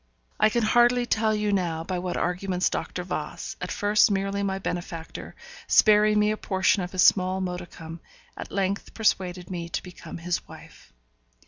I can hardly tell you now by what arguments Dr. Voss, at first merely my benefactor, sparing me a portion of his small modicum, at length persuaded me to become his wife.